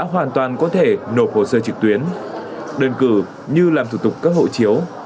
hoàn toàn có thể nộp hồ sơ trực tuyến đơn cử như làm thủ tục cấp hộ chiếu